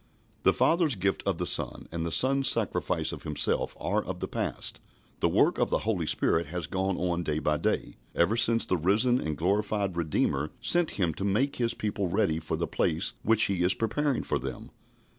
The Father's gift of the Son and the Son's sacrifice of Himself are of the past; the work of the Holy Spirit has gone on day by day, ever since the risen and glorified Redeemer sent Him to make His people ready for the place which He is preparing for them.